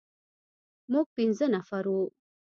موږ پنځه نفر وو.